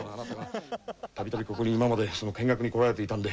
度々ここに今まで見学に来られていたんで。